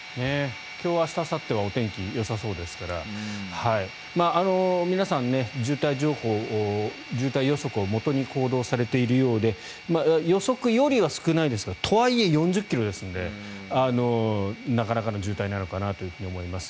今日明日あさってはお天気よさそうですから皆さん、渋滞予測をもとに行動されているようで予測よりは少ないですがとはいえ４０ｋｍですのでなかなかの渋滞なのかなと思います。